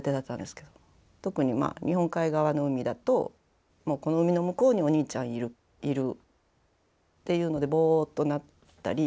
特に日本海側の海だとこの海の向こうにお兄ちゃんいるっていうのでぼっとなったり。